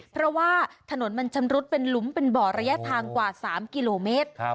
เพราะว่าถนนมันชำรุดเป็นหลุมเป็นบ่อระยะทางกว่า๓กิโลเมตร